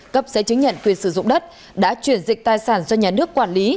cấp giấy chứng nhận quyền sử dụng đất đã chuyển dịch tài sản do nhà nước quản lý